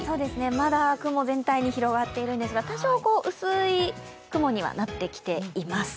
まだ雲、全体に広がっているんですが、多少薄い雲にはなってきてはいます。